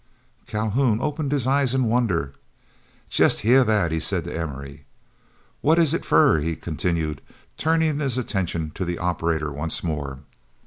Calhoun opened his eyes in wonder. "Jes' heah that," he said to Emory. "What is it fer?" he continued, turning his attention to the operator once more.